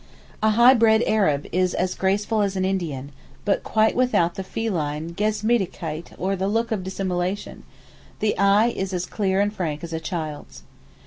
A high bred Arab is as graceful as an Indian, but quite without the feline Geschmeidigkeit or the look of dissimulation; the eye is as clear and frank as a child's.